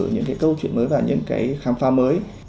những cái câu chuyện mới và những cái khám phá mới